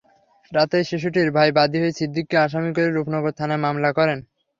রাতেই শিশুটির ভাই বাদী হয়ে সিদ্দিককে আসামি করে রূপনগর থানায় মামলা করেন।